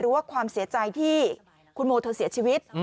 ว่าความเสียใจที่คุณโมเธอเสียชีวิต